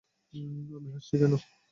আমি হাসছি কেন?